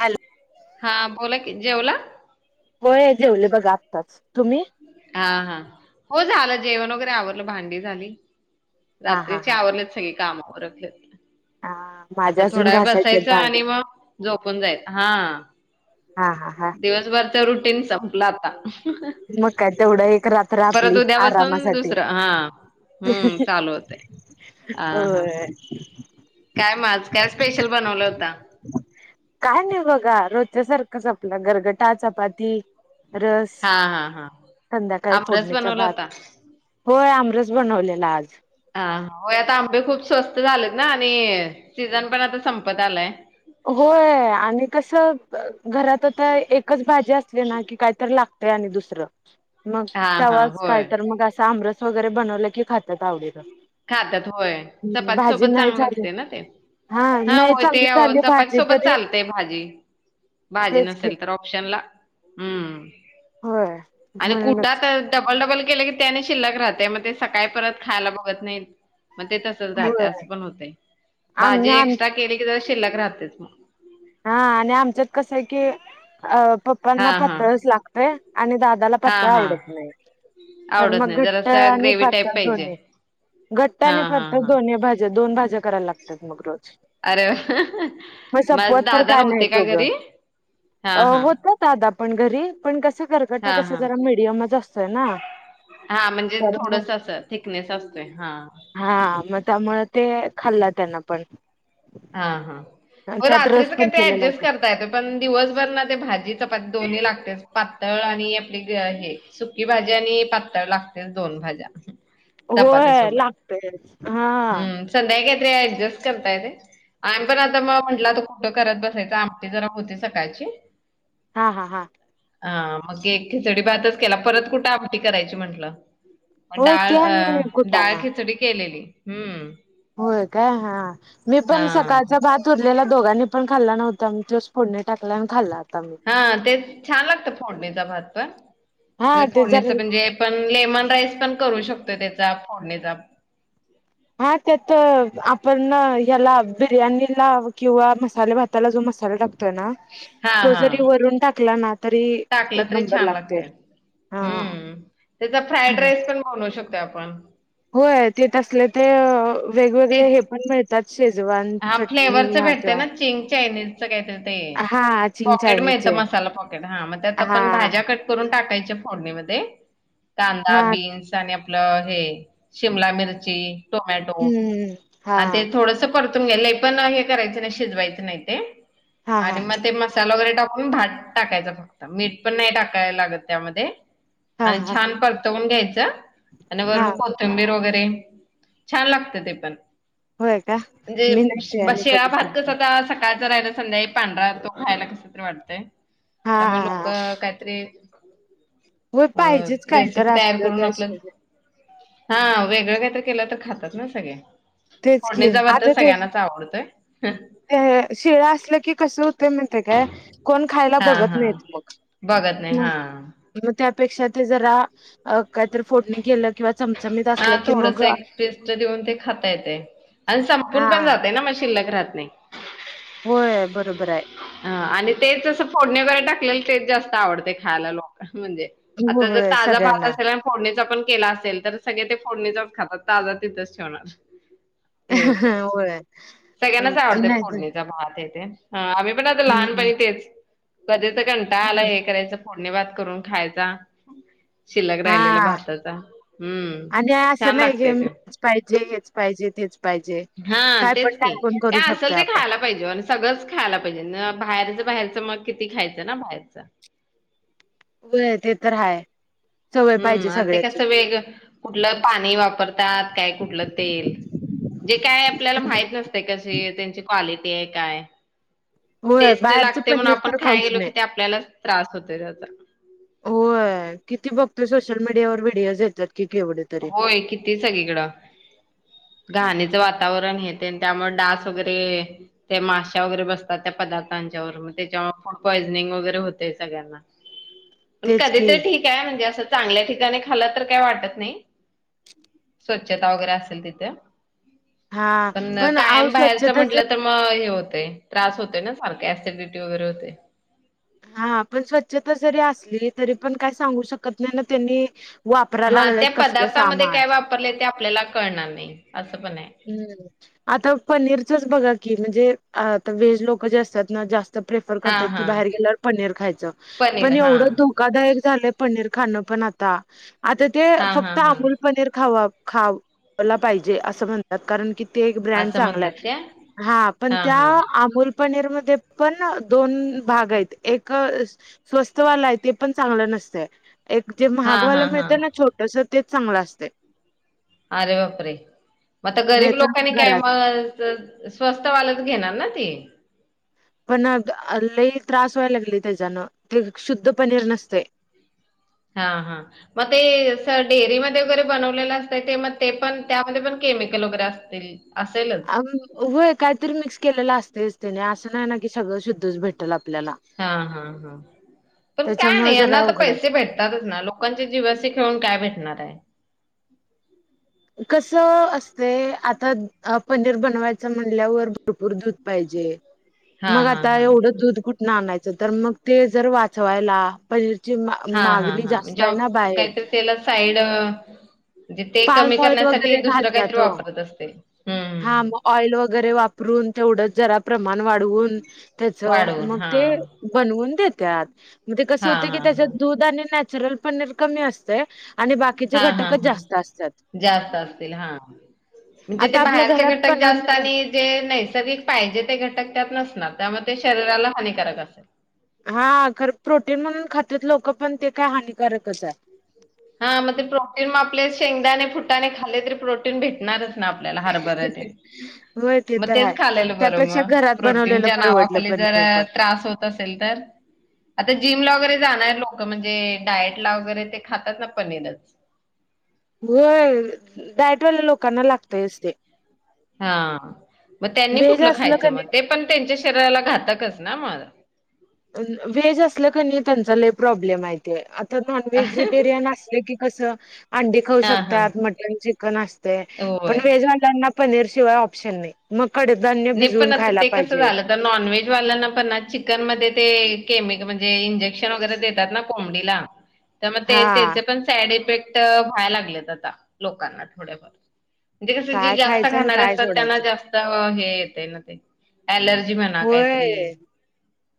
Hello हां बोला की जेवला? होय जेवले बघा आताच. तुम्ही? हां हां हो झाल जेवण वगैरे आवरल भांडी झाली. हा हा रात्रीची हा आवरलेत सगळी काम उरकले. हा आता माझ्या अजून थोडा वेळ घासायचे बसायचा आणि भांडी मग झोपून जायच हां. हा हा हा दिवसभरच रुटीन संपल आता. मग काय तेवढं एक रात्र परत आपली उद्यापासून आरामासाठी. दुसर हां. हम्म चालू होतय. हा हा होय काय मग आज काय स्पेशल बनवल होत? काय नाही बघा रोजच्या सारखच आपल गरगटा, चपाती, रस. हां हां हां संध्याकाळी आमरस फोडणीचा बनवला भात. होता? होय आमरस बनवलेला आज. हां होय आता आंबे खूप स्वस्त झालेत ना आणि सीजन पण आता संपत आलाय. होय आणि कस घरात आता एकच भाजी असली ना की काहीतरी लागत. ते आणि दुसर मग हा हा तवाच काय होय तर मग अस आमरस वगैरे बनवल की खातात आवडीन. खातात होय चपाती सोबत चांगल झाली लागतय ना ते. हा नाही होय चांगली ते हो झाली चपाती भाजी सोबत तरी चालतय भारी. भाजी तेच की नसेल तर शनला होय आणि म्हणूनच कुटात डबल डबल केल की ते आणि शिल्लक राहतय मग ते सकाळी परत खायला बघत नाही. मग ते तसच राहते होय अस पण होतय आम भाजी आम एक्स्ट्रा केली की शिल्लक राहतेच मग. हां आणि आमच्यात कसय की हा पप्पांना हा पातळच लागतय आणि दादा ला हा पातळ हा आवडत नाही तर आवडत मग नाही घट्ट जरा आणि ग्रेव्ही टाईप पातळ पाहिजे दोन्ही. घट्ट हा आणि हा पातळ हा दोन्ही भाज्या दोन भाज्या करायला लागतात मग रोज. अरे वा मग म [unintelligible] सपवत तर काय नाही दोघ हा हा होता दादा पण घरी पण कस कर टा हा कसा हा जरा मिडियमच असतोय ना. हा म्हणजे तर मग थोडस अस थिकनेस असतोय हां. हा मग त्यामुळ ते खाल्ला त्यान पण. हां हां मग त्यात रात्रीच रस पण काही ते केलेला अऍडजस्ट होता कर य पण दिवसभर ना ते भाजी, चपाती दोन्ही लागते पातळ आणि आपली हे. सुकी भाजी आणि पातळ लागतेच दोन भाज्या. चपाती होय सोबत लागतय हां हम्म संध्याकाळी काहीतरी ॲडजेस्ट करता येत. आम्ही पण आता मग म्हटल आता कुट करत बसायच आमटी जरा होती सकाळची. हां हां हां हां मग एक खिचडी भातच केला परत कुठ आमटी करायची म्हंटल. होय डाळ ते अ आणि डाळ कुटाणा खिचडी केलेली हम्म. होय काय हा मी पण हा. सकाळचा भात उरलेला दोघानीं पण खाल्ला नव्हता मग तोच फोडणी टाकला आणि खाल्ला आता मग. हा तेच छान लागतं फोडणीचा भात पण, हा ते जर फोडणीचं म्हणजे. पण लेमन राईस पण करू शकतो त्याचा फोडणीचा. हा त्यात आपण याला बिर्याणीला किंवा मसाले भाताला जो मसाला टाक तोना हां, तो जरी हां. वरून टाकला ना तरी टाकला एक तरी नंबर छान लागते लागतोय हा हम्म, त्याचा फ्राईड राईस पण बनऊ शकतोय आपण. होय तेे तसले ते ते वेगवेगळे हे पण मिळतात शेजवान चटणी ह्याव त्याव चींग चायनीज. सगळे तर ते चिंग पॉकेट मिळतं चायनीजचे मसाला पॉकेट हा त्यात आपण भाज्या कट करून टाकायच्या फोडणीमध्ये कांदा हा बी आपल हे शिमला मिरची, टोमॅटो हम्म हा आणि ते थोड परतून घे पण हे करायच नाही शिजवायच नाही ते हा हा आणि म ते मस्त मसाला वगैरे टाकून भात टाकायचा फक्त मीठ पण नाही टाकायला लागत त्यामध्ये. हा आणि हा छान परतवून घ्यायचं आणि हा वरून कोथिंबीर वगैरे छान लागतं ते पण. होय का मी नाही ते म्हणजे आणि शिळा कधी भात कस टाकलं आता सकाळचं पाहिला संध्याकाळी पांढरा तो खायला कस तरी वाटतय तर मग लोक हा काहीतरी होय अ पाहिजेच काय तर रेसिपी तयार असलं करून आपलं त्याशिवाय हा वेगळं काहीतर केलं तर खातात ना सगळे. तेच की फोडणीचा भात तर आता ते सगळ्यांनाच आवडतोय ते हे शिळा असलं की कसं होतय माहितीये काय कोण खायला हा बघत हा नाहीत मग. बघत नाही मग हा. मग त्यापेक्षा ते जरा काहीतर फोडणी केलं किंवा चमचमीत असलं हा की मग थोडस एक पेस्ट देऊन ते खाता येतय‌. आणि हा संपून पण जातय ना मग शिल्लक राहात नाही. होय बरोबर हाय. ह आणि तेच असं फोडणे वगैरे टाकलेलं तेच जास्त आवडते खायला लोक म्हणजे हो, आता जर होय ताजा भात सगळ्यांना असला फोडणीचा पण केला असेल तर सगळे ते फोडणीचाच खातात ताजा तिथंच ठेवणार. हे होतय, होय सगळ्यांनाच आवडतंय नाही तर फोडणीचा भात आहे हे ते. हा आम्ही पण आता लहानपणी तेच कधी तर कंटाळा आला हे करायचं. फोडणी भात करून खायचा. शिल्लक राहिलेला हा भाताचा हम्म आणि असं छान नाही की लागतय ते. हेच पाहिजे हेच पाहिजे तेच पाहिजे. हा काय पण तेच की काय पण करू काय असल शकतोय ते आपण खायां लाग पाहिजे आणि सगळंच खायला पाहिजे न बाहेरच बाहेरच मग किती खायचं ना बाहेरच. व्हय ते तर हाय. सवय पाहिजे हम्म ते सगळ्याची कसं वेग कुठलं पाणी वापरतात काय कुठलं तेल. जे काय आपल्याला माहित नसते कशी त्यांची क्वालिटी हाय काय. होय टेस्ट बाहेरचं लागतय म्हणून पनीर आपण तर खाय खाऊच गेलो कि नाही ते आपल्याला त्रास होतोय त्याचा. होय किती बघतो सोशल मीडियावर व्हिडिओज येतात की केवढे तरी होय किती सगळीकडं. घाणीचं वातावरण हे ते त्यामुळे डास वगैरे. ते माशा वगैरे बसतात त्या पदार्थांच्यांवर. मग त्याच्या फूड पॉइझनिंग वगैरे होतय सगळ्यांना. तेच कधी की तर ठीक आहे. म्हणजे असं चांगल्या ठिकाणी खाल्ल तर काही वाटत नाही. स्वच्छता वगैरे असेल तिथे, हा पण आव कायम बाहेरच स्वच्छता ज म्हंटलं तर मग हे होतय, त्रास होतय ना. सारख ऍसिडिटी वगैरे होते. हा, पण स्वच्छता जरी असली, तरी पण काय सांगू शकत नाही ना. त्यांनी वापराय लागल्यात कसलं सामान. वापरलय ते आपल्याला कळणार नाही, असं पण आहे. हम्म, आता पनीरचच बघा की, म्हणजे आता व्हेज लोक जे असतात ना जास्त प्रेफर हा करतात की हा बाहेर गेल्यावर पनीर खायचं. पनीर पण हा एवढ खुप धोकादायक झालंय पनीर खाणं पण आता. आता काल ते हा हा फक्त हा अमूल पनीर खावा. खायला पाहिजे असं म्हणतात कारण की ते एक ब्रँड असं चांगला म्हणतात आहे. काय? हा पण त्या अमुल पनीर मध्ये पण दोन भाग आहेत. एक स्वस्तवालाय ते पण चांगलं नसतंय. एक जे हा महागवाला हा मिळत हा ना छोटस, तेच चांगलं असतय. अरे बापरे मग आता गरीब नाहीतर लोकांनी मग काय घरात मग तर स्वस्त वालच घेणार ना ते. पण लय त्रास व्हायला लागलय त्याच्यानं. ते शुद्ध पनीर नसतय. हा. मग ते डेअरीमध्ये वगैरे बनवलेलं असतय. ते मग ते पण त्यामध्ये, पण केमिकल वगैरे असतय. अ, होय. काहीतरी मिक्स केलेलं असतयच त्यानी. असं नाही ना की सगळं शुद्धच भेटतय. हा, हा. पण काय त्याच्यामुळे नाही जरा यांना तर अवघड पैसे आहे भेटतातच ना. लोक लोकांचे जीवाशी खेळून काय भेटणार आहे. कस असतय. आता पनीर बनवायचं म्हणल्यावर, भरपूर दूध पाहिजे. मग हां, हां, आता हां. एवढं दूध कुठण आणायचं, तर मग ते जर वाचवायला पनीर ची, हां, हां, मागणी हां. जास्त आहे जॉब ना बाहेर. काहीतरी त्याला साईड म्हणजे ते कमी पाल्म ऑइल करण्यासाठी, वगैरे दुसरं काहीतरी घालतात ओ वापरत असतील. हं, हा, हं, हं. मग ऑइल वगैरे वापरून तेवढं जरा प्रमाण वाढवून, त्याच वाढवून मग ते हां. बनवून देत्यात. म्हणजे कस हां, होतय की, हां, हां. त्याच्यात दूध आणि नॅचरल पनीर कमी असतंय. आणि बाकी हा, हा, हा, जास्त असतील, हा. म्हणजे ते आता आपल्या बाहेरचे घरात घटक जास्त बनवलेलं असतील. जे नैसर्गिक पाहिजे, ते घटक त्यात नसणार. त्यामुळे ते शरीराला हानिकारक असल. हा खर प्रोटीन म्हणून खातात लोक पण, ते काय हानिकारकच आहे. हा, मग ते प्रोटीन मग आपले शेंगदाणे, फुटाने खाले तरी प्रोटीन भेटणारच. आपल्याला हरभरा तेन होय ते मग तर तेच हाय. खालेल बर, त्यापेक्षा मग घरात प्रोटीन बनवलेलं च्या नावान. परवडलं हल्ली जरा पनीर पण. त्रास होत नसेल तर. आता जीमला वगैरे लोक म्हणजे डाएट ला वगैरे ते खातात. त्यांना पनीरच. होय. डायटवाल्या लोकांना लागतयच ते. हा मग त्यांनी व्हेज कुठलं असलं खायचं कणी मग. ते पण त्यांच्या शरीराला घातकच ना मग. व्हेज असलं कनी त्यांचा लय प्रॉब्लेम आहे ते. आता नॉनव्हेजिटेरियन असल की. कस अंडी खाऊ हां हां शकतात मटन चिकन असतय. पण होय. व्हेजवाल्यांना पनीर शिवाय ऑप्शन नाही. मग कडधान्य नाही पण भिजवुन आता खायला ते कसं पाहिजे. झालं नॉनव्हेज वाल्यांना पण ना चिकन मध्ये ते, केमिकल म्हणजे इंजेक्शन वगैरे देतात ना. कुंबडीला. त्या मग ते हा त्याचे पण सॅड इफेक्ट व्हायला लागलेत आता लोकांना थोडेफार. म्हणजे कस जे काय जास्त खायचं आणि खाणारे काय असतात त्यांना सोडायचं जास्त हे [inaudible] ते एलर्जी म्हणा काहीतरी. होय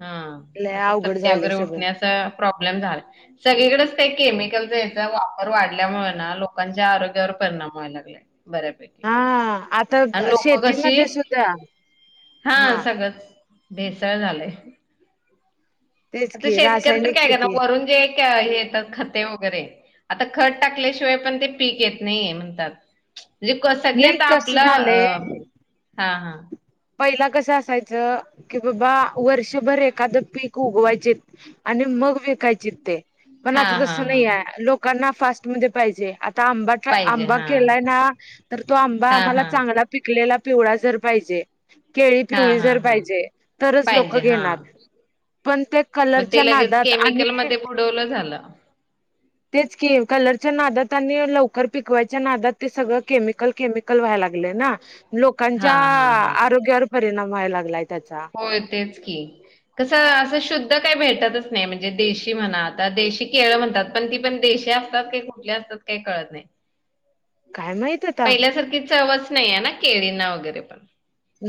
हा लय असं अवघड चट्टे झालंय वगैरे सगळं उठण्या अस प्रॉब्लेम झाला. सगळीकडेच ते केमिकलचा याचा वापर वाढल्यामुळे ना लोकांच्या आरोग्यावर परिणाम व्हाय लागले. बऱ्यापैकी. हा आता आणि लोक शेतीमध्ये कशी सुद्धा हा सगळंच भेसळ झालंय. तेच आता की शेतकरी तररी रासायनिक काय कर ना शेती वरून जे का हे येतात खते वगैरे, आता खत टाकल्याशिवाय पण ते पीक येत नाही म्हणतात. म्हणजे सगळ नाही तर कसं आपलं अ झालंय हा. हा. पहिला कसं असायचं की बाबा वर्षभर एखादं पीक उगवायचे. आणि मग विकायची. पण हा आता तस हा [inaudible] हा नाही लोकांना फास्ट [inaudible] म पाहिजे आता आंबा पाहिजे आंबा हा केलाय ना. तर तो आंबा हा आम्हाला हा चांगला पिकलेला पिवळा जर पाहिजे. केळी हा पिवळी हा जर हा पाहिजे, तरच लोक पाहिजे हा घेणार. पण ते मग कलरच्या ते लगेच नादात आणि केमिकलमध्ये बुडवलं झालं. तेच [inaudible] कलरच्या नादात आणि लवकर पिकवायच्या नादात ते सगळं केमिकल केम. कल व्हायला लागले ना. हा लोकांच्या हा हा आरोग्यावर परिणाम व्हायला लागलाय त्याचा. हो तेच की. कसं असं शुद्ध काही भेटतच नाही म्हणजे. देशी म्हणा आता देशी केळ म्हणतात पण ती पण देश [inaudible] असतात काही कुठले असतात काही कळत नाही. काय माहित आता पहिल्यासारखी चवच नाही आहे ना केळींना वगैरे पण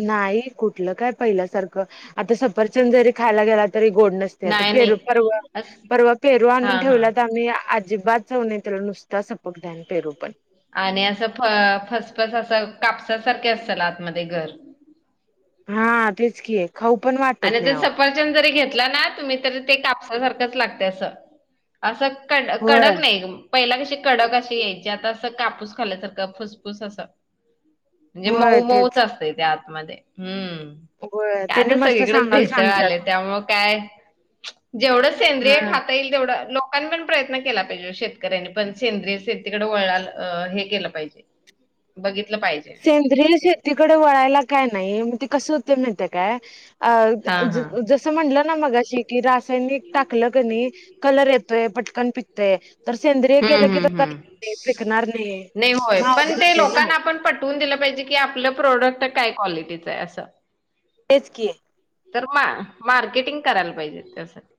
नाही कुठलं काय पहिल्यासारखं आता सफरचंद जरी खायला गेला तरी गोड नस नाही नाही पेरू परवा अस परवा पेरू आणून हा हा ठेवला तर आम्ही अजिबात [inaudible] जाऊय त्याला नुसता सपक [inaudible] ध्यान पेरू पण आणि असं [inaudible] फणस असं कापसासारखे असतल आतमध्ये [inaudible] घर हा तेच की [inaudible] आहे खाऊ पण वाट आणि ते सफरचद न जरी घेतला ना तुम्ही तरी ते कापसासारखंच लागते असं असं. होय कडक नाही पहिला कशी कडक अशी यायची आता असं कापूस खाल्ल्यासारखं फुसफुस असं. म्हणजे मऊ होय मऊच तेच असतय ते आतमध्ये हम्म.. गोव्यात. काय आता सगळीकडेच भेसळ आले [inaudible] त्यामु काय. जेवढं सेंद्रिय हा खाता येईल तेवढं लोक पण पण प्रयत्न केला पाहिजे शेतकऱ्यांनी पण सेंद्रिय शेतीकडे वळाल हे केलं पाहिजे. बघितलं पाहिजे. सेंद्रय शेतीकडे वळायला काय नाही मग ते कस होते महीती काय? अ हा हा [unintelligible] [inaudible] असं म्हटलं ना मगाशी की रासायनिक टाकलं क नाही कलर येतोय पटकन पिकतय. तर सेंद्रिय केलं हम्म की हम्म तर हम्म कध [inaudible] फिकणार नाही होय मग पण उघड ते होते ना. लोकांना आपण पटवून दिलं पाहिजे की आपलं प्रोडक्ट काय क्वालिटीचं आहे असं. तेच की. तर म मार्केटिंग करायला पाहिजे त्यासाठी.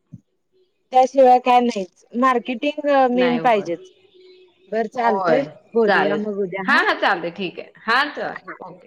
त्याशिवाय काय नाहीच मार्केटिंग मेन नाही होय पाहिजेच. बर चालतंय होय बोलूया चालेल मग उद्या हा चालते ठीक आहे हा चल ओके